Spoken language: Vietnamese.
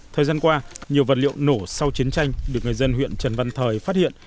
thời gian qua nhiều vật liệu nổ sau chiến tranh được người dân huyện trần văn thời phát hiện